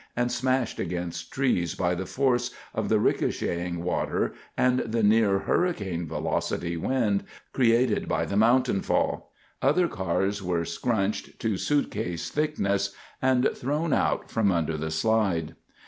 and smashed against trees by the force of the ricocheting water and the near hurricane velocity wind created by the mountainfall. Other cars were scrunched to suitcase thickness and thrown out from under the slide.